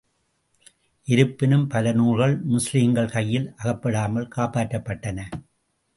இருப்பினும் பலநூல்கள் முஸ்லிம்கள் கையில் அகப்படாமல் காப்பாற்றப்பட்டன.